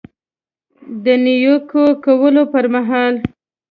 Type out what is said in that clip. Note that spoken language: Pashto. د نیوکې کولو پر مهال